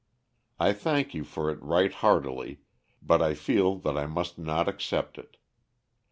I thank you for it right heartily, but I feel that I must not accept it.